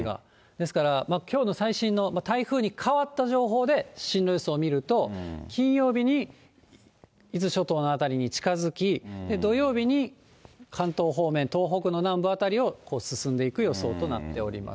ですから、きょうの最新の台風に変わった情報で、進路予想を見ると、金曜日に伊豆諸島の辺りに近づき、土曜日に関東方面、東北の南部辺りを進んでいく予想となっております。